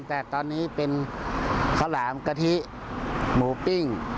แต่ตอนนี้เป็นข้าวหลามกะทิหมูปิ้ง